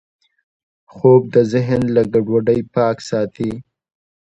خوب د ذهن له ګډوډۍ پاک ساتي